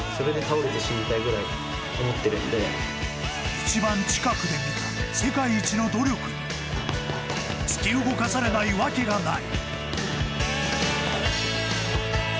一番近くで見た世界一の努力に突き動かされないわけがない。